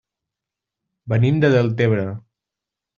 Venim de Deltebre.